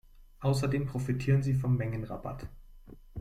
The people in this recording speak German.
Außerdem profitieren sie vom Mengenrabatt.